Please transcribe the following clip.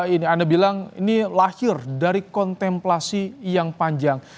ini anda bilang ini lahir dari kontemplasi yang panjang